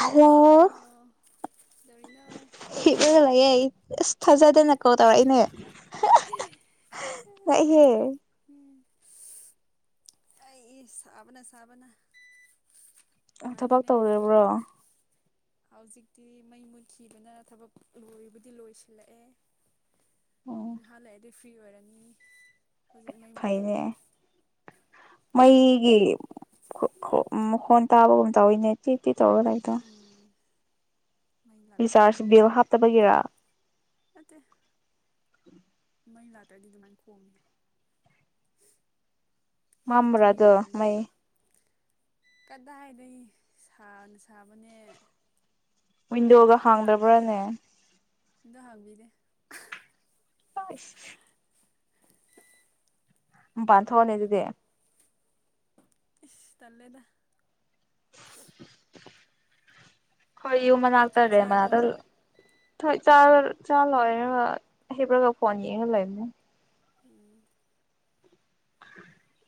hello ꯀꯩꯗꯧꯔꯤꯅꯣ ꯀꯩꯗꯧꯔꯤꯅꯣ ꯍꯤꯛꯑꯒ ꯂꯩꯥꯌꯦ ꯊꯥꯖꯗꯅ ꯀꯣꯜ ꯇꯧꯔꯛꯏꯅꯦ ꯂꯥꯛꯍꯦ ꯑꯩꯁ ꯁꯥꯕꯅ ꯁꯥꯕꯅ ꯊꯕꯛ ꯅꯨꯡꯉꯥꯏꯗꯣꯏꯅꯦ ꯅꯪꯗꯤ ꯇꯧꯔꯕ꯭ꯔꯣ ꯍꯧꯖꯤꯛꯇꯤ ꯃꯩ ꯃꯨꯠꯈꯤꯕꯅ ꯊꯕꯛ ꯂꯣꯏꯕꯨꯗꯤ ꯂꯣꯏꯁꯤꯜꯂꯛꯑꯦ ꯎꯝ ꯅꯍꯥꯥꯟ ꯂꯩꯑꯗꯤ ꯐ꯭ꯔꯤ ꯑꯣꯏꯔꯅꯤ ꯍꯧꯖꯤꯛ ꯃꯩ ꯃꯨꯠꯄꯒꯤ ꯐꯩꯅꯦ ꯃꯩꯒꯤ ꯃꯈꯣꯟ ꯇꯥꯕꯒꯨꯝ ꯆꯥꯎꯋꯤꯅꯦ ꯇꯤꯠ ꯇꯤꯠ ꯇꯧꯔ ꯂꯩꯥꯕꯗꯣ ꯎꯝ ꯃꯩ ꯂꯥꯛꯇꯕꯒꯤ ꯔꯤꯆꯥꯥꯔꯁ ꯕꯜ ꯍꯥꯞꯇꯕꯒꯤꯔ ꯅꯠꯇꯦ ꯃꯩꯂꯛ ꯇꯗꯤ ꯑꯗꯨꯃꯥꯏ ꯈꯣꯡꯉꯦ ꯃꯥꯝꯕ꯭ꯔ ꯑꯗꫭ ꯃꯩ ꯀꯗꯥꯏꯗꯩ ꯁꯥꯒ ꯁꯥꯕꯅꯦ ꯋꯤꯟꯗꯣꯒ ꯍꯥꯡꯗꯕ꯭ꯔꯥꯅꯦ ꯑꯝꯗ ꯍꯥꯡꯕꯤꯗꯦ ꯍꯥꯏꯁ ꯃꯄꯥꯟ ꯊꫭꯍꯂꯦ ꯑꯗꯨꯗꯤ ꯏꯁ ꯇꯜꯂꯦꯗ [unintelligible] ꯍꯣꯏ ꯌꯨ ꯆꯥꯛ ꯃꯅꯥꯛꯇꯔꯦ ꯆꯥꯔꯕꯣ ꯃꯅꯥꯛꯇ ꯊꯣꯏ ꯆꯥꯔꯦ ꯆꯥ ꯂꫭꯏꯔꯦꯕ ꯍꯤꯞꯄꯒ ꯐꯣꯟ ꯌꯦꯡꯉ ꯂꯩꯕꯅꯦ ꯎꯝ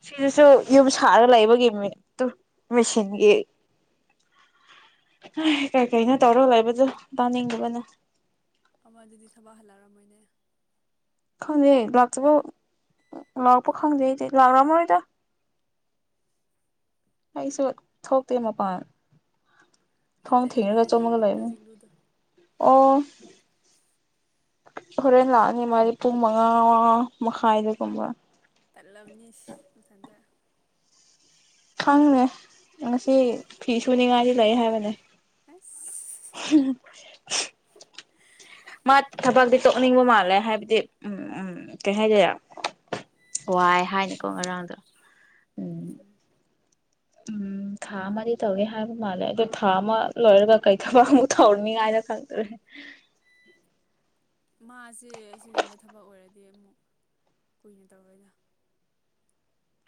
ꯁꯤꯗꯁꯨ ꯌꯨꯝ ꯁꯥꯔꯒ ꯂꯩꯕꯒꯤ ꯃꯤ ꯃꯦꯆꯤꯟꯒꯤ ꯀꯩꯀꯩꯅꯣ ꯇꯧꯔꯒ ꯂꯩꯕꯗꯨ ꯇꯥꯅꯤꯡꯗꯕꯅ ꯑꯃ ꯑꯗꯨꯗꯤ ꯊꯕꯛ ꯍꯜꯂꯛꯑꯝꯃꯣꯏꯅꯦ ꯈꯪꯗꯦ ꯂꯥꯛꯇꯔꯤꯕꫭ ꯂꯥꯛꯄ ꯈꯪꯗꯦ ꯑꯩꯗꯤ ꯂꯥꯛꯔꯝꯃꯔꯣꯏꯗ ꯑꯩꯁꯨ ꯊꯣꯛꯇꯦ ꯃꯄꯥꯟ ꯅꯠꯇꯦ ꯐꯉ ꯊꯦꯡꯅ ꯑꯩꯅ ꯀ ꯆ ꯍꯥꯏꯗꯤ ꯃꯒ ꯂꯩꯕ ꯀꯖꯤꯛꯂꯨꯗꯣ ꯑꯣ ꯍꯣꯔꯦꯟ ꯂꯥꯛꯑꯅꯤ ꯃꯥꯗꯤ ꯄꯨꯡ ꯃꯉꯥ ꯃꯈꯥꯏꯗꯨꯒꯨꯝꯕ ꯇꯠꯂꯝꯕꯅꯤ ꯃꯊꯟꯇ ꯈꯪꯅꯦꯦ ꯉꯁꯤ ꯐꯤ ꯁꯨꯅꯤꯉꯥꯏꯗꯤ ꯂꯩ ꯍꯥꯏꯕꯅꯦ ꯑꯁ [unintelligible] ꯃꯥ ꯊꯕꯛꯇꯤ ꯇꯣꯛꯅꯤꯡꯕ ꯃꯥꯜꯂꯦ ꯍꯥꯏꯕꯗꯤ ꯎꯝ ꯎꯝ ꯀꯩ ꯍꯥꯏꯗꯦ ꯋꯥꯏ ꯍꯥꯏꯅꯤꯀꯣ ꯉꯔꯥꯡꯗꯣ ꯎꯝ ꯎꯝ ꯊꯥ ꯑꯃꯗꯤ ꯇꯧꯏꯦ ꯍꯥꯏꯕ ꯃꯥꯜꯂꯦ ꯑꯗꯣ ꯊꯥ ꯑꯃ ꯂꯣꯏꯔꯒ ꯀꯩꯗꯕ ꯑꯃꯨꯛ ꯊꯧꯔꯅꯤꯉꯥꯏꯅ ꯈꯪꯗ꯭ꯔꯦ ꯃꯥꯁꯦ ꯑꯁꯤꯒꯨꯝꯕ ꯊꯕꯛ ꯑꯣꯏꯔꯗꯤ ꯑꯃꯨꯛ ꯀꯨꯏꯅ ꯇꯧꯔꯣꯏꯗ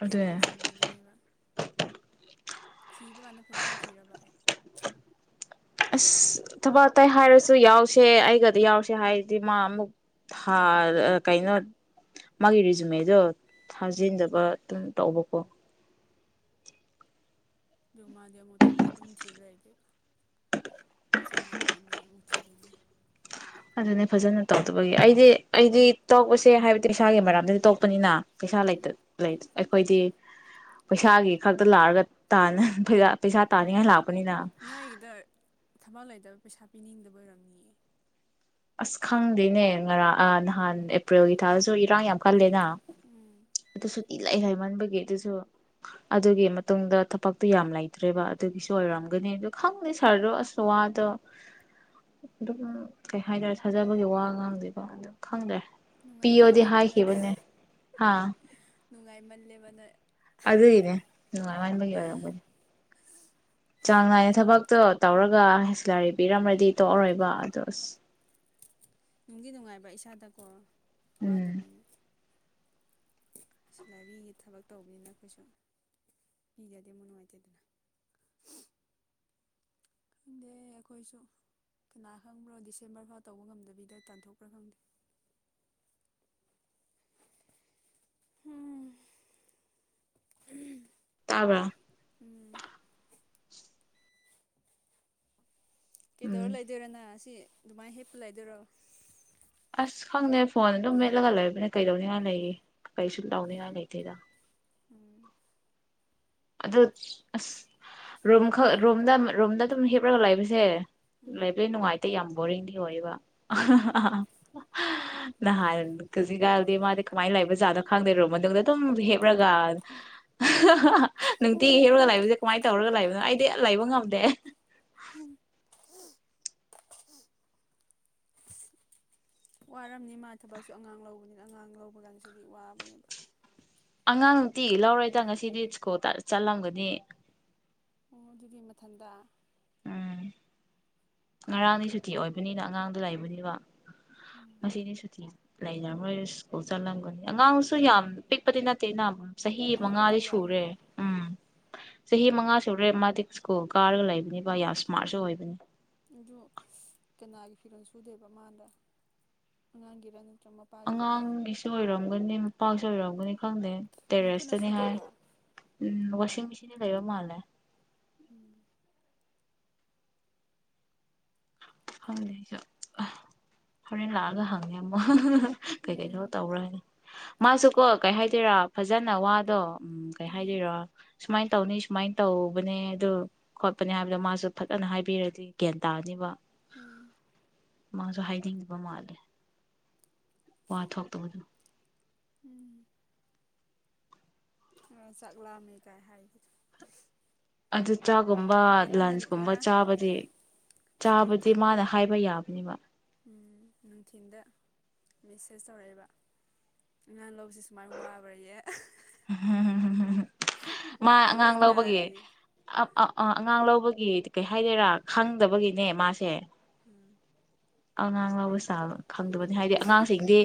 ꯑꯗꯨꯅꯦ ꯆꯦꯟꯖ ꯇꯧꯅꯤꯡꯒꯅꯦꯕ ꯊꯤꯕ ꯀꯥꯟꯗ ꯐꯖꯅ ꯊꯤꯔꯕ ꯑꯁ ꯊꯕꯛ ꯑꯇꯥꯏ ꯍꯥꯏꯔꯁꯨ ꯌꯥꯎꯁꯦ ꯑꯩꯒꯗꯤ ꯌꯥꯎꯁꯦ ꯍꯥꯏꯔꯗꯤ ꯃꯥ ꯑꯃꯨꯛ ꯀꯩꯅꯣ ꯃꯥꯒꯤ ꯔꯤꯖꯨꯃꯦꯗꯣ ꯎꯝ ꯊꯥꯖꯤꯟꯗꯕ ꯑꯗꯨꯝ ꯇꯧꯕꯀꯣ ꯑ ꯃꯥꯗꯤ ꯑꯃꯨꯣꯠ ꯊꯕ ꯑꯗꯨꯝ ꯊꯤꯕ ꯂꯩꯇꯦꯕ ꯁꯃꯇꯣ ꯑꯅꯤ [unintelligible] ꯑꯗꯨꯅꯦ ꯐꯖꯅ ꯇꯧꯗꯕꯒꯤ ꯑꯩꯗꯤ ꯑꯩꯗꯤ ꯇꯧꯕꯁꯦ ꯍꯥꯏꯕꯗꯤ ꯏꯁꯥꯒꯤ ꯃꯔꯝꯗꯗꯤ ꯇꯣꯛꯄꯅꯤꯅ ꯄꯩꯁꯥ ꯎꯝ ꯂꯩꯇ ꯂꯩ ꯑꯩꯈꯣꯏꯗꯤ ꯄꯩꯁꯥꯒꯤ ꯈꯛꯇ ꯂꯥꯛꯑꯒ ꯇꯥꯅ ꯊꯣꯏꯗ ꯄꯩꯁ ꯇꯥꯟꯅꯤꯉꯥꯏ ꯎꯝ ꯂꯥꯛꯄꯅꯤꯗ ꯅꯣꯏꯒꯤꯗ ꯊꯕꯛ ꯂꯩꯇꯕ ꯄꯩꯁꯥ ꯄꯤꯅꯤꯡꯗꯕ ꯑꯣꯏꯔꯝꯅꯤꯌꯦ ꯑꯁ ꯈꯪꯗꯦꯅꯦ ꯉꯔꯥꯡ ꯅꯍꯥꯟ ꯑꯦꯄ꯭ꯔꯤꯜꯒꯤ ꯊꯥꯗꯁꯨ ꯏꯔꯥꯡ ꯌꯥꯝ ꯀꯜꯂꯦꯅ ꯎꯝ ꯑꯗꯨ ꯁꯨꯇꯤ ꯂꯩ ꯍꯥꯏꯃꯟꯕꯒꯤ ꯑꯗꯨꯁꯨ ꯑꯗꯨꯒꯤ ꯃꯇꯨꯡꯗ ꯊꯕꯛꯇꯣ ꯌꯥꯝ ꯂꯩꯇ꯭ꯔꯦꯕ ꯑꯗꯨꯒꯤꯁꯨ ꯑꯣꯏꯔꯝꯒꯅꯤ ꯑꯗꯨ ꯈꯪꯅꯤ ꯁꯥꯔꯗꯣ ꯑꯁ ꯋꯥꯗꯣ ꯑꯗꯨꯝ ꯀꯩ ꯍꯥꯏꯇꯥꯔꯦ ꯊꯥꯖꯕꯒꯤ ꯋꯥ ꯉꯥꯡꯗꯣꯏꯕ ꯑꯗꯨꯝ ꯈꯪꯗ꯭ꯔꯦ ꯄꯤꯑꯣꯗꯤ ꯅꯨꯡꯉꯥꯏꯃꯜꯂꯦꯕ ꯍꯥꯏꯈꯤꯕꯅꯦ ꯍꯥꯥ ꯅꯨꯡꯉꯥꯏꯃꯜꯂꯦꯕꯅ ꯑꯗꯨꯅꯦ ꯉꯥꯟꯕꯒꯤ ꯑꯣꯏꯔꯗꯤ ꯆꯥꯡ ꯅꯥꯏꯅ ꯊꯕꯛꯇꯣ ꯇꯧꯔꯒ ꯂꯥꯏꯔꯤ ꯄꯤꯔꯝ꯭ꯔꯗꯤ ꯇꯣꯛꯑꯔꯣꯏꯕ ꯑꯗ ꯅꯨꯡꯒꯤ ꯅꯨꯡꯉꯥꯏꯕ ꯏꯁꯥꯗꯀꯣ ꯎꯝ ꯋꯥꯗꯕꯤꯅꯦ ꯁꯤꯂꯥꯏꯕꯤꯒꯤ ꯊꯕꯛ ꯇꯧꯕꯅꯤꯅ ꯑꯩꯈꯣꯏꯁꯨ ꯄꯤꯖꯗꯦ ꯑꯃꯨꯛ ꯅꯨꯡꯉꯥꯏꯇꯦꯗꯅ ꯈꯪꯗꯦ ꯑꯩꯈꯣꯏꯁꯨ ꯀꯅꯥ ꯈꯪꯕ꯭ꯔꯣ ꯗꯤꯁꯦꯝꯕꯔ ꯐꯥꯎ ꯇꯧꯕ ꯉꯝꯗꯕꯤꯗ ꯇꯥꯟꯊꯣꯛꯄ꯭ꯔꯥ ꯈꯪꯗꯦ ꯎꯝ ꯇꯕꯔꯥ ꯎꯝ ꯎꯝ ꯀꯩꯗꯧꯔ ꯂꯩꯗꯣꯏꯅꫭ ꯁꯤ ꯑꯗꯨꯃꯥꯏꯅ ꯍꯦꯛꯞꯄꯨ ꯂꯩꯗꯣꯏꯔꯣ ꯑꯁ ꯈꯪꯗꯦ ꯐꯣꯟ ꯑꯗꯨꯝ ꯃꯦꯠꯂꯒ ꯂꯩꯕꯅꯦ ꯀꯩꯗꯧꯅꯤꯉꯥꯏ ꯂꯩꯔꯤ ꯀꯩꯁꯨ ꯂꯧꯅꯤꯡꯉꯥꯏ ꯂꯩꯇꯦꯗ ꯎꯝ ꯑꯗꯨ ꯑꯁ ꯔꯨꯝꯈꯛ ꯔꯨꯝꯗ ꯔꯨꯝꯗ ꯑꯗꯨꯝ ꯍꯤꯞꯂꯒ ꯂꯩꯥꯕꯁꯦ ꯎꯝ ꯂꯩꯕ ꯂꯩ ꯅꯨꯡꯉꯥꯏꯇꯦ ꯌꯥꯝ ꯎꯝ [unintelligible] [unintelligible] ꯅꯍꯥꯟ ꯀꯖꯤꯛꯀꯥꯟꯗꯤ ꯃꯥꯗꯤ ꯀꯃꯥꯏꯅ ꯂꯩꯕ ꯖꯥꯠꯅꯣ ꯈꯪꯗꯦ ꯔꯨꯝ ꯃꯅꯨꯡꯗ ꯑꯗꯨꯝ ꯍꯤꯞꯔꯒ ꯅꯨꯡꯇꯤꯒꯤ ꯍꯦꯛꯔꯒ ꯂꯩꯕꯁꯦ ꯀꯃꯥꯏꯅ ꯇꯧꯔꯒ ꯂꯩꯕꯅꯣ ꯑꯩꯗꯤ ꯂꯩꯕ ꯉꯝꯗꯦ ꯋꯥꯔꯝꯅꯤ ꯃꯥ ꯊꯕꯛꯁꯨ ꯑꯉꯥꯡ ꯂꯧꯕꯅꯤꯅ ꯑꯉꯥꯡ ꯂꯧꯕ ꯀꯥꯟꯗ ꯁꯤꯗꯤ ꯋꯥꯕꯅꯦꯕ ꯑꯉꯥꯡ ꯅꯨꯡꯇꯤ ꯂꯧꯔꯦꯗ ꯉꯁꯤꯗꯤ ꯁ꯭ꯀꯣꯜ ꯆꯠꯂꯝꯒꯅꯤ ꯑꯣ ꯑꯗꯨꯗꯤ ꯃꯊꯟꯇ ꯎꯝ ꯉꯔꯥꯡꯗꯤ ꯁꯨꯇꯤ ꯑꯣꯏꯕꯅꯤꯅ ꯑꯉꯥꯡꯗꯣ ꯂꯩꯕꯅꯤꯕ ꯎꯝ [unintelligible] ꯂꯩꯔꯔꯣꯏ ꯁ꯭ꯀꯨꯜ ꯆꯠꯂꯝꯒꯅꯤ ꯑꯉꯥꯡꯁꯨ ꯌꯥꯝ ꯄꯤꯛꯄꯗꯤ ꯅꯠꯇꯦꯅ ꯆꯍꯤ ꯃꯉꯥꯗꯤ ꯑꯃꯈꯛꯇꯪꯔꯥ ꯁꯨꯔꯦ ꯎꯝ ꯆꯍꯤ ꯃꯉꯥ ꯁꯨꯔꯦ ꯃꯥꯗꯤ ꯁ꯭ꯀꯨꯜ ꯀꯥꯔꯒ ꯂꯩꯕꯅꯤꯕ ꯌꯥꯝ ꯏꯁꯃꯥꯔꯠꯁꯨ ꯑꯣꯏꯕꯅꯤ ꯑꯗꯨ ꯀꯅꯥꯒꯤ ꯐꯤꯔꯣꯜ ꯁꯨꯗꯦꯕ ꯃꯥꯗ ꯑꯉꯥꯡꯒꯤꯔ ꯅꯠꯇ꯭ꯔꯒ ꯃꯄꯥꯒꯤꯔ ꯑꯉꯥꯡꯒꯤꯁꯨ ꯑꯣꯏꯔꯝꯒꯅꯦ ꯄꯥꯁꯨ ꯑꯣꯏꯔꯝꯒꯅꯤ ꯈꯪꯗꯦ ꯃꯈꯨꯠꯅ ꯇꯦꯔꯦꯁꯇꯅꯤ ꯍꯥꯏ ꯁꯨꯗꯣꯏꯔꯣ ꯋꯥꯁꯤꯡ ꯃꯦꯆꯤꯟ ꯂꯩꯩꯕ ꯃꯥꯂꯦ ꯎꯝ ꯍꯪꯉꯦ ꯑꯩꯁꯨ ꯍꯣꯔꯦꯟ ꯂꯥꯛꯑꯒ ꯍꯪꯉꯦ ꯑꯃꯨꯛ ꯀꯩ ꯀꯩꯩꯅꯣ ꯎꯝ ꯇꯧꯔꯅꯤ ꯃꯥꯁꯨ ꯀꯣ ꯀꯩ ꯍꯥꯏꯗꯣꯏꯔꯥ ꯐꯖꯅ ꯋꯥꯗꯣ ꯎꯝ ꯀꯩ ꯍꯥꯏꯗꯣꯏꯔꯥ ꯁꯨꯃꯥꯏꯅ ꯇꯧꯅꯤ ꯁꯨꯃꯥꯏꯅ ꯇꯧꯕꯅꯦ ꯑꯗꯨ ꯈꯣꯠꯄꯅꯦ ꯍꯥꯏꯕꯗ ꯃꯥꯁꯨ ꯐꯖꯅ ꯍꯥꯏꯕꯤꯔꯗꯤ ꯒ꯭ꯌꯥꯟ ꯇꯥꯔꯅꯤꯕ ꯎꯝ ꯃꯥꯁꯨ ꯍꯥꯏꯅꯤꯡꯕ ꯃꯥꯜꯂꯦ ꯋꯥ ꯊꯣꯛꯇꯧꯕꯗꯨ ꯎꯝ ꯑ ꯆꯠꯂꯃꯤ ꯀꯥꯏ ꯍꯥꯏꯗꯤ ꯑꯗꯨ ꯆꯛꯆꯥꯒꯨꯝꯕ ꯂꯟꯁꯀꯨꯝꯕ ꯆꯥꯕꯗꯤ ꯆꯥꯕꯗꯤ ꯅꯨꯡꯊꯤꯟ ꯃꯥꯅ ꯍꯥꯏꯕ ꯌꯥꯕ ꯑꯗꯨꯕ ꯎꯝ ꯅꯨꯡꯊꯤꯟꯗ ꯃꯦꯁꯦꯁ ꯇꯧꯔꯛꯑꯦꯕ ꯑꯉꯥ ꯂꯧꯁꯤꯦ ꯁꯨꯃꯥꯏꯅ ꯋꯥꯕ꯭ꯔꯌꯦ ꯍꯥ ꯃꯥ ꯀ꯭ꯋꯥꯒ ꯑꯉꯥꯡ ꯂꯣꯏ ꯂꯧꯕꯒꯤ ꯅꯥꯔꯦꯌꯦ ꯑ ꯑ ꯑꯉꯥꯡ ꯂꯧꯕꯒꯤ ꯀꯩ ꯍꯥꯏꯗꯣꯏꯔꯥ ꯈꯪꯗꯕꯒꯤꯅꯦ ꯃꯥꯁꯦ ꯎꯝ ꯑꯉꯥꯡ ꯉꯕ ꯆꯥ ꯈꯪꯗꯕꯅꯤ ꯍꯥꯏꯗꯤ ꯑꯉꯥꯡꯁꯤꯡꯗꯤ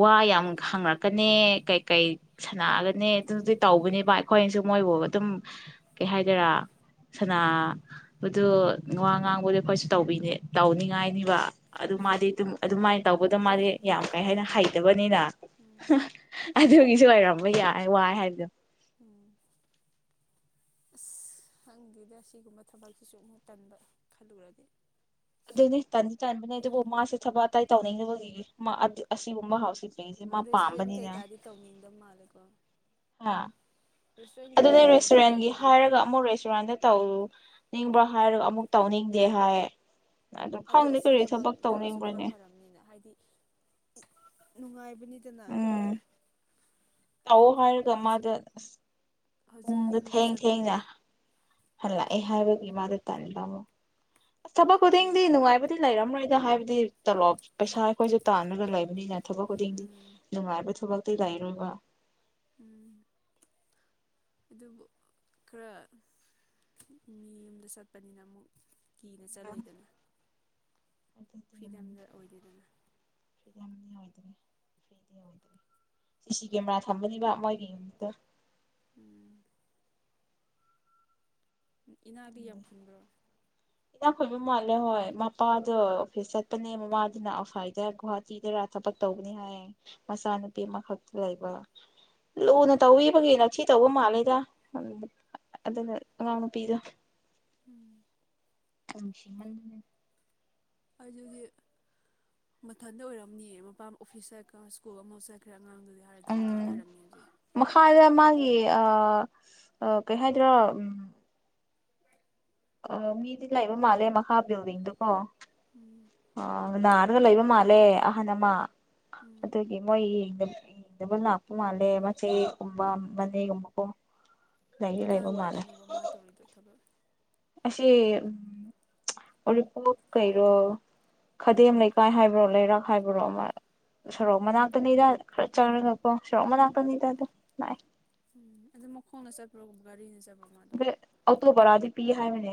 ꯋꯥ ꯌꯥꯝ ꯍꯥꯡꯔꯛꯀꯅꯤ ꯀꯩꯀꯩ ꯁꯥꯟꯅꯒꯅꯤ ꯑꯗꯨꯗꯤ ꯇꯧꯕꯅꯦꯕ ꯑꯩꯈꯣꯏꯅꯁꯨ ꯃꯣꯏꯕꯨ ꯑꯗꯨꯝ ꯀꯩ ꯍꯥꯏꯗꯔꯥ ꯁꯥꯟꯕꯗꯨ ꯋꯥ ꯉꯥꯡꯕꯗꯤ ꯑꯩꯈꯣꯏꯁꯨ ꯇꯧꯕꯤꯅꯦ ꯎꯝ ꯇꯧꯅꯤꯡꯉꯥꯏꯅꯤꯕ ꯎꯝ ꯃꯥꯗꯤ ꯑꯗꯨꯝ ꯑꯗꯨꯝ ꯁꯃꯥꯏꯅ ꯇꯧꯕꯗ ꯃꯥꯗꯤ ꯌꯥꯝ ꯀꯩ ꯍꯥꯏꯅ ꯍꯩꯇꯕꯅꯤꯅ ꯎꯝ ꯑꯗ ꯍ ꯁꯤ ꯑꯣꯏꯔꯝꯕ ꯌꯥꯏ ꯋꯥꯏ ꯍꯥꯏꯕꯗꯣ ꯎꯝ ꯑꯁ ꯍꯪꯗꯦꯗ ꯑꯁꯤꯒꯨꯝꯕ ꯊꯕꯛꯁꯤꯁꯨ ꯑꯃꯨꯛ ꯇꯟꯕ ꯈꯜꯂꯨꯔꯗꯤ ꯑꯗꯨꯏꯅꯦ ꯇꯥꯟꯗꯤ ꯇꯟꯥꯟꯕꯅꯦ ꯑꯗꯨꯕꯨ ꯃꯥꯁꯦ ꯊꯕꯛ ꯑꯇꯥꯏ ꯇꯧꯅꯤꯡꯕꯒꯤ ꯑꯁꯤꯕꯨꯕ ꯍꯥꯎꯁꯤ ꯔꯦꯁꯇꯨꯔꯦꯟ ꯀꯩꯀꯥꯗꯤ ꯇꯧꯅꯤꯡꯗꯕ ꯃꯥꯜꯂꯦꯀꯣ ꯍꯥꯥ ꯔꯦꯁꯇꯨꯔꯦꯟꯒꯤ ꯑꯗꯨ ꯅ ꯀꯩꯀꯥꯗꯤ ꯔꯦꯁꯇꯨꯔꯦꯟꯒꯤ ꯇꯧꯅꯤꯡꯗꯕ ꯃꯥꯜꯂꯦꯕ ꯍꯥꯏꯔꯒ ꯑꯃꯨꯛ ꯔꯦꯁꯇꯨꯔꯦꯟꯗ ꯇꯧ ꯅꯤꯡꯕ꯭ꯔꯥ ꯍꯥꯏꯔꯒ ꯑꯃꯨꯛ ꯇꯧꯅꯤꯡꯗꯦ ꯍꯥꯏ ꯑꯗꯨ ꯑ ꯈꯪꯗꯦ ꯁꯤ ꯀꯔꯤ ꯊꯕꯛ ꯊꯕꯛꯗꯒꯤꯁꯨ ꯈꯔ ꯇꯧꯅꯤꯡꯕ꯭ꯔꯅꯦ ꯐꯔꯕꯔꯕꯅꯤꯅ ꯍꯥꯏꯗꯤ ꯅꯨꯡꯉꯥꯏꯕ ꯑꯕꯅꯤꯗꯅ ꯇꯑꯣ ꯍꯥꯜꯒꯃꯗ ꯍꯧꯖꯤꯛ ꯄꯨꯡꯗꯣ ꯌꯨꯝꯗ ꯊꯦꯡ ꯆꯠꯄ ꯊꯦꯡꯅ ꯈꯣꯠ ꯍꯜꯂꯛꯑꯦ ꯍꯥꯏꯕꯒꯤ ꯎꯝ ꯃꯥꯗ ꯇꯥꯅꯤꯡꯦ ꯃꯣ ꯑꯁ ꯊꯕꯛ ꯍꯥꯏꯗꯤ ꯈꯨꯗꯤꯡꯗꯤ ꯅꯨꯡꯉꯥꯏꯕꯨꯗꯤ ꯂꯩꯔꯝꯔꯣꯏ ꯁꯤꯗ ꯍꯥꯏꯕꯗꯤ ꯇꯂꯣꯞ ꯄꯩꯁꯥ ꯑꯩꯈꯣꯏꯁꯨ ꯇꯥꯟꯔꯒ ꯂꯩꯕꯅꯤꯅꯅ ꯊꯕꯛ ꯈꯨꯗꯤꯡꯒꯤ ꯎꯝ ꯅꯨꯡꯉꯥꯏꯕ ꯊꯕꯛ ꯂꯏꯔꯕ ꯎꯝ ꯑꯗꯨꯕꯨ ꯈꯔ ꯃꯤ ꯌꯨꯝꯗ ꯆꯠꯄꯅꯤꯅ ꯑꯃꯨꯛ ꯀꯤꯅ ꯆꯜꯂꯤꯗꯅ ꯑꯗꯤ ꯁꯤꯇ ꯑꯣꯏꯗꯦꯗꯅ ꯐ꯭ꯔꯤ ꯑꯣꯏꯗ꯭ꯔꯦ ꯁꯤ ꯁꯤ ꯀꯦꯃꯦꯔꯥ ꯊꯝꯕꯅꯤꯕ ꯃꯣꯏꯒꯤ ꯌꯃꯤꯠꯇ ꯎꯝ ꯏꯅꯥꯗꯤ ꯌꯥꯝ ꯈꯨꯨꯟꯕ꯭ꯔꯣ ꯏꯅꯥ ꯈꯣꯏꯕ ꯃꯥꯜꯂꯦ ꯍꯣꯏ ꯃꯄꯥꯗꯣ ꯑꯣꯐꯤꯁ ꯆꯠꯄꯅꯦ ꯃꯃꯥꯗꯨꯅ ꯑꯐꯥꯏꯗ ꯒꯨꯍꯥꯇꯤꯗꯔ ꯊꯕꯛ ꯇꯧꯕꯅꯤ ꯍꯥꯏꯌꯦ ꯃꯆꯥꯅꯨꯄꯤ ꯑꯃꯈꯛꯇ ꯂꯩꯕ ꯂꯨꯅ ꯇꯧꯕꯕꯒꯤ ꯅꯛꯊ ꯇꯧꯕ ꯃꯥꯜꯂꯦꯗ ꯑꯗꯨꯅ ꯑꯉꯥꯡ ꯅꯨꯄꯤꯗꯣ ꯎꯝ ꯀꯁꯤꯃꯗꯅꯦ ꯑꯗꯨꯗꯤ ꯃꯊꯟꯇ ꯑꯣꯏꯔꯝꯅꯤꯌꯦ ꯃꯄꯥ ꯑꯣꯐꯤꯁ ꯆꯠ꯭ꯔ ꯁ꯭ꯀꯨꯜ ꯑꯃ ꯆꯠꯈ꯭ꯔ ꯎꯝ ꯃꯈꯥꯗ ꯃꯥꯒꯤ ꯑ ꯀꯩ ꯍꯥꯏꯥꯏꯗ꯭ꯔꯣ ꯎ ꯑ ꯃꯤꯗꯤ ꯂꯩꯕ ꯃꯥꯜꯂꯦ ꯃꯈꯥꯕꯌꯣꯔꯤꯡꯗꯨ ꯀꯣ ꯎꯝ ꯑꯟꯅꯔꯗ ꯂꯩ ꯂꯩꯕ ꯃꯂꯦ ꯑꯍꯅꯃ ꯎꯝ ꯑꯗꯨꯗꯒꯤ ꯃꯣꯏ ꯏ ꯃꯣ ꯑꯄ ꯃꯥ ꯂꯩꯦ ꯃꯥ ꯆ ꯀꯨꯝꯕꯝꯕꯅꯤꯦ ꯀꯨꯝꯃꯀ ꯀꯥꯏ ꯋꯥꯏꯗꯅꯣꯕ ꯃꯥ ꯇꯧꯔꯤꯗꯣ ꯊꯕꯛ ꯑꯁꯤ ꯎ ꯎꯔꯤꯄꯣꯛ ꯀꯔꯣ ꯈꯗꯦꯝ ꯂꯩꯀꯥꯏ ꯍꯥꯏꯕ꯭ꯔꯣ ꯂꯩꯔꯛ ꯍꯥꯏꯕ꯭ꯔꯣ ꯑꯃ ꯁꯣꯔꯣꯛ ꯃꯅꯥꯛꯇꯅꯤꯗ ꯈꯔ ꯆꯪꯉꯒꯀꯣ ꯁꯣꯔꯣꯛ ꯃꯅꯥꯛꯇꯅꯤꯗ ꯑꯗꯨꯝ ꯂꯥꯛꯑ ꯎꯝ ꯑꯗꯨ ꯃꯈꯣꯡꯅ ꯆꯠꯄ꯭ꯔꯣꯒꯨꯝꯕ ꯒꯥꯔꯤꯅ ꯆꯠꯄ꯭ꯔꯣ ꯃꯥꯗꯣ ꯑꯣꯇꯣꯕꯔꯥꯗꯤ ꯄꯤ ꯍꯥꯏ ꯃꯅꯦ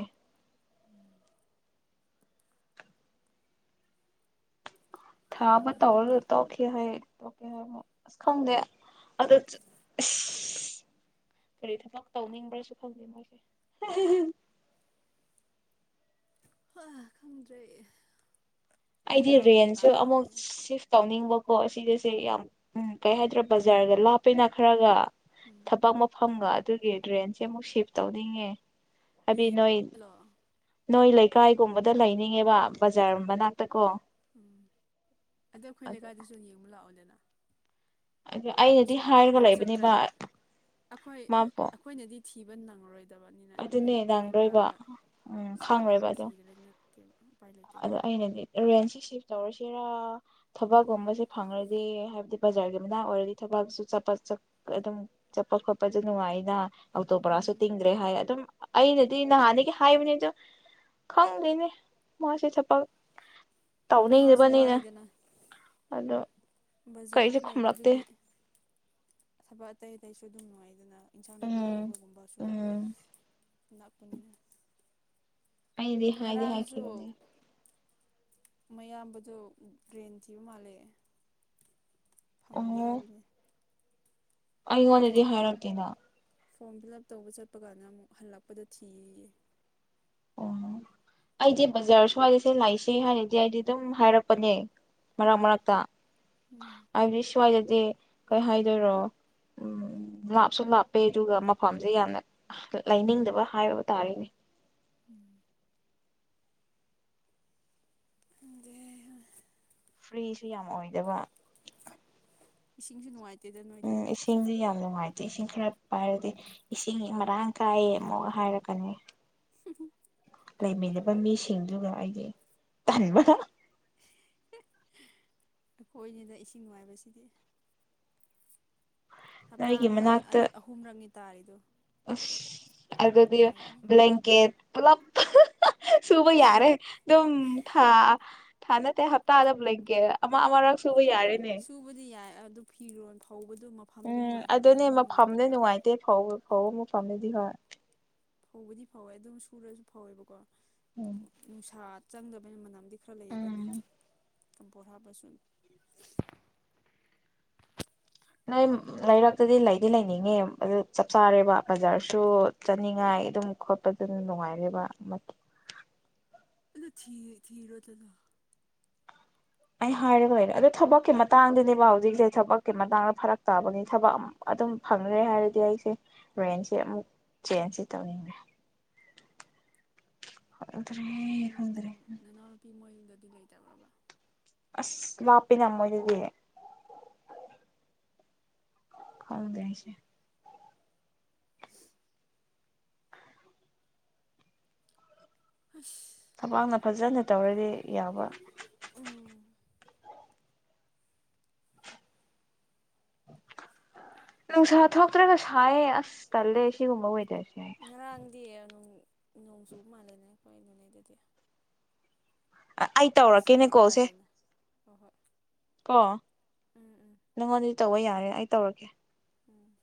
ꯊ ꯃ ꯐꯩꯅꯦ ꯇꯔ ꯑꯗꯨꯗꯤ ꯂꯩꯠꯇꯣ ꯀꯌꯥ ꯀ ꯑꯁ ꯈꯪꯗꯦ ꯑꯗ ꯆ ꯐꯔꯤ ꯊꯕꯛ ꯇꯧꯅꯤꯡꯕ꯭ꯔꯁꯨ ꯈꯪꯗꯦ ꯃꯣꯏꯁꯦ ꯑ ꯈꯗ꯭ꯔꯦ ꯑꯩꯗꯤ ꯔꯦꯟꯁꯨ ꯑꯃꯨꯛ ꯁꯤꯐ ꯇꯧꯅꯤꯡꯕꯀꯣ ꯁꯤꯁ ꯁꯦ ꯌꯥꯝ ꯎꯝ ꯀꯩ ꯍꯥꯏꯗ꯭ꯔꯥ ꯕꯖꯥꯔꯒ ꯂꯥꯞꯄꯅ ꯈꯔꯒ ꯎꯝ ꯊꯕꯛ ꯃꯐꯝꯒꯗ ꯑꯗꯨꯒꯤ ꯗ꯭ꯔꯦꯟꯁꯦ ꯑꯃꯨꯛ ꯁꯤꯐ ꯇꯧꯅꯤꯡꯉꯦ ꯑꯕ ꯅꯣꯏ ꯌꯦꯡꯂꯣ ꯅꯣꯏ ꯂꯩꯀꯥꯏꯒꯨꯝꯕꯗ ꯂꯩꯅꯤꯡꯉꯦꯕ ꯕꯖꯥꯔ ꯃꯅꯥꯛꯇ ꯇꯀꯣ ꯎꯝ ꯑꯗꯣ ꯑꯩꯈꯣꯏ ꯂꯩꯀꯥꯏꯗꯁꯨ ꯌꯦꯡꯕ ꯂꯥꯛꯑꯣꯗꯅ ꯑꯗꯨ ꯅꯣꯏ ꯑꯩꯅꯗꯤ ꯁ ꯍꯥꯏꯔꯒ ꯑꯗꯨꯝ ꯂꯩꯕꯅꯦꯕ ꯆꯠꯇ꯭ꯔꯗꯤ ꯑꯩꯈꯣꯏ ꯃꯥꯕꯨ ꯑꯩꯈꯣꯏꯅꯗꯤ ꯊꯤꯕ ꯅꯪꯔꯣꯏ ꯑꯗꯨꯅꯦ ꯂꯪꯗꯣꯏꯕ ꯎꯝ ꯈꯥꯡꯈꯣꯏꯕ ꯑꯗꯣ ꯊꯤꯗ꯭ꯔꯦ ꯅꯠꯇꯦꯕ ꯎꯄꯥꯏ ꯂꯩꯇꯦꯕ ꯑꯗꯣ ꯑꯩꯅꯗꯤ ꯔꯦꯟꯁ ꯁꯤꯐ ꯇꯧꯔꯁꯤ ꯦꯔꯥ ꯊꯕꯛꯒꯨꯝꯕꯁꯦ ꯐꯪꯉꯗꯤ ꯍꯥꯏꯕꯗꯤ ꯕꯖꯥꯔꯒꯤ ꯃꯅꯥ ꯑꯣꯏꯔꯗꯤ ꯊꯕꯛꯁꯨ ꯆꯄ ꯑꯗꯨꯝ ꯆꯠꯄ ꯈꯣꯠꯄꯁꯨ ꯅꯨꯡꯉꯥꯏꯅ ꯑ ꯇꯣꯕ꯭ꯔꯁꯨ ꯎꯝ ꯇꯤꯡꯗ꯭ꯔꯦ ꯍꯥꯏ ꯑꯗꯨꯝ ꯑꯩꯅꯗꯤ ꯅꯍꯥꯟꯒꯤ ꯍꯥꯏꯕꯅꯤ ꯑꯗꯨ ꯈꯪꯗꯣꯏꯅꯦ ꯃꯥꯁꯦ ꯊꯄ ꯃꯥꯁꯨ ꯇꯧꯅꯤꯡꯗꯕꯅꯤꯅ ꯋꯥꯏꯗꯅ ꯑꯗꯣ ꯕꯖꯥꯔꯗ ꯀꯔꯤꯁꯨ ꯈꯨꯝꯂꯛꯇꯦ ꯂꯩꯕꯗꯨꯗꯤ ꯊꯕꯛ ꯑꯇꯩ ꯑꯇꯩꯁꯨ ꯑꯗꯨꯝ ꯅꯨꯡꯉꯥꯏꯗꯅ ꯏꯟꯁꯥꯡ ꯅꯥꯄꯤ ꯎꯝ ꯂꯧꯕꯒꯨꯝꯕꯁꯨ ꯎꯝ ꯗꯥ ꯀꯅꯟꯅ ꯑꯩꯗ ꯍꯥ ꯏꯗꯦ ꯍꯥꯏꯈꯤꯗꯅꯦ ꯃꯌꯥꯝꯕꯗꯣ ꯒ꯭ꯔꯦꯟ ꯊꯤꯕ ꯃꯥꯜꯂꯦ ꯑ ꯐꯪꯗꯦ ꯍꯥꯏꯕꯅꯤ ꯑꯩꯉꯣꯟꯗꯗꯤ ꯍꯥꯏꯔꯛꯇꯦꯗ ꯐꯣꯝ ꯐꯤꯜ ꯑꯞ ꯇꯧꯕ ꯆꯠꯄ ꯀꯥꯟꯗ ꯑꯃꯨꯛ ꯍꯜꯂꯛꯄꯗ ꯊꯤꯌꯦ ꯑꯣ ꯑꯩꯗꯤ ꯕꯖꯥꯔ ꯁ꯭ꯋꯥꯏꯗꯁꯦ ꯂꯥꯛꯏꯁꯦ ꯍꯥꯏꯅꯗꯤ ꯑꯩꯗꯤ ꯑꯗꯨꯝ ꯍꯥꯏꯔꯛꯄꯅꯦ ꯃꯔꯛ ꯎꯝ ꯃꯔꯛꯇ ꯎꯝ ꯍꯥꯏꯗꯤ ꯁꯋꯥ ꯁꯦ ꯀꯩ ꯍꯥꯏꯗꯣꯏꯔꯣ ꯎ ꯂꯥꯞꯁꯨ ꯂꯥꯞꯄꯦ ꯑꯗꯨꯒ ꯃꯐꯝꯁꯦ ꯌꯥꯝꯅ ꯂꯩꯅꯤꯡꯗꯕ ꯍꯥꯏꯕ ꯇꯥꯔꯦꯅꯦ ꯎꯝ ꯗꯒꯤ ꯐ꯭ꯔꯤꯁꯨ ꯌꯥꯝ ꯑꯣꯏꯗꯕ ꯏꯁꯤꯡꯁꯨꯦ ꯅꯨꯡꯉꯥꯏꯇꯦ ꯎꯝ ꯏꯁꯤꯡꯗꯤ ꯌꯥꯝ ꯅꯨꯡꯉꯥꯏꯇꯦ ꯏꯁꯤꯡ ꯈꯔ ꯄꯥꯏꯔꯗꯤ ꯏꯁꯤꯡ ꯃꯔꯥꯡ ꯀꯥꯏꯌꯦ ꯑꯃꯨꯛ ꯍꯥꯏꯔꯛꯀꯅꯤ ꯂꯩꯃꯤꯟꯅꯕ ꯃꯤꯁꯤꯡꯗꯨꯒ ꯑꯩꯒꯤ ꯇꯟꯕꯗ ꯑꯩꯈꯣꯏꯅꯤꯗ ꯏꯁꯤꯡ ꯋꯥꯥꯏꯕꯁꯤꯗꯤ ꯍꯞꯇꯥ ꯑꯃꯗ ꯑꯅꯤ ꯑꯍꯨꯝꯔꯪꯅꯤ ꯇꯥꯔꯔꯤꯗꯨꯣ ꯑꯗꯤ ꯕ꯭ꯂꯀꯦꯠ ꯄꯨꯂꯞ ꯁꯨꯕꯨꯣꯏ ꯌꯥꯔꯦ ꯑꯗꯨꯝ ꯊꯥ ꯊꯥꯟꯗ ꯑꯦꯍꯄꯇꯇꯥ ꯑꯗꯞ ꯂꯩꯒꯦ ꯑꯃ ꯑꯥꯔ ꯌꯥꯔꯦꯅꯦ ꯁꯨꯕꯗꯤ ꯌꯥꯏ ꯑꯗꯨ ꯐꯤꯔꯣ ꯍꯧꯕꯗꯨ ꯃꯐꯝꯗꯨ ꯎꯝ ꯅꯨꯡꯉꯥꯏꯇꯕꯅꯤꯅ ꯑꯃꯨꯛ ꯅꯨꯡꯉꯥꯏꯇꯕ ꯍ ꯃꯨ ꯄꯝꯗꯤ ꯍ ꯐꯧꯕꯗꯤ ꯐꯧꯋꯦ ꯑꯗꯨꯝ ꯁꯨꯔꯁꯨ ꯐꯧꯋꯦꯕꯀꯣ ꯎꯝ ꯑꯗꯨꯕꯨ ꯅꯨꯡꯁꯥꯠ ꯆꯪꯗꯕꯅꯤꯅ ꯃꯅꯝꯗꯤ ꯈꯔ ꯂꯩꯌꯦꯗꯅ ꯎꯝ ꯄꯍꯥꯕꯁꯨꯨꯝ ꯅꯣꯏ ꯂꯩꯔꯛꯇꯗꯤ ꯂꯩꯗꯤ ꯂꯩꯅꯤꯡꯉꯦ ꯑꯗꯨ ꯆꯞ ꯆꯥꯔꯦꯕ ꯕꯖꯥꯔꯁꯨ ꯆꯠꯅꯤꯡꯉꯥꯏ ꯑꯗꯨꯝ ꯈꯣꯠꯄꯗꯨꯝ ꯅꯨꯡꯉꯥꯏꯔꯦꯕ ꯑꯗ ꯊ ꯊꯔ ꯇꯂ ꯑꯩ ꯍꯥꯏꯔꯒ ꯂꯩꯔꯦ ꯑꯗꯨ ꯊꯕꯛꯀꯤ ꯃꯇꯥꯡꯗꯅꯦꯕ ꯍꯧꯖꯤꯛꯁꯦ ꯊꯕꯛꯀꯤ ꯃꯇꯥꯡꯗ ꯐꯔꯛ ꯇꯥꯕꯅꯤ ꯊꯕꯛ ꯑꯗꯨꯝ ꯐꯪꯗ꯭ꯔꯦ ꯍꯥꯏꯔꯗꯤ ꯑꯩꯁꯦ ꯔꯦꯟꯖꯁꯦ ꯑꯃꯨꯛ ꯆꯦꯟꯖꯁꯤ ꯇꯧꯅꯤꯡꯗ꯭ꯔꯦ ꯍ ꯠꯇꯔꯦ ꯈꯟꯗꯔꯦ ꯗꯗꯤ ꯂꯩꯇꯕ꯭ꯔꯕ ꯑꯁ ꯂꯞꯄꯤ ꯅꯝꯃꯣꯏ ꯑꯗꯨꯗꯤ ꯈꯪꯗꯦ ꯍꯥꯏꯁꯦ ꯑꯁ ꯊꯕꯥꯡꯅ ꯐꯖꯅ ꯇꯧꯔꯗꯤ ꯌꯥꯕ ꯎꯝ ꯅꯨꯡꯁꯥ ꯊꯣꯛꯇ꯭ꯔꯒ ꯁꯥꯏꯌꯦ ꯑꯁ ꯇꯜꯂꯦ ꯁꯤꯒꯨꯝꯕ ꯑꯣꯏꯗꯣꯏꯔꯁꯦ ꯉꯔꯥꯡꯗꯤ ꯅꯨꯡ ꯅꯣꯡ ꯆꯨ ꯃꯥꯜꯂꯦꯅꯦ ꯑꯩꯈꯣꯏ ꯑꯩꯗꯨꯗꯩꯗꯗꯤ ꯑꯩ ꯇꯧꯔꯛꯀꯦꯅꯦ ꯀꯣꯜꯁꯦ ꯍꯣꯏ ꯍꯣꯏ ꯀꯣ ꯎꯝ ꯎꯝ ꯅꯪꯉꯣꯟꯗꯤ ꯇꯧꯕ ꯌꯥꯔꯦ ꯑꯩ ꯇꯧꯔꯛꯀꯦ ꯎꯝ